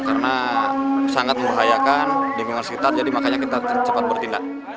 karena sangat menghayakan lingkungan sekitar jadi makanya kita cepat bertindak